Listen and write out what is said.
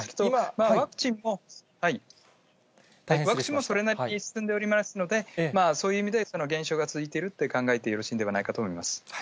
ワクチンもそれなりに進んでおりますので、そういう意味で、減少が続いていると考えてよろしいんではないかと思います。